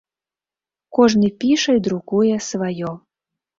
Кожны піша і друкуе сваё.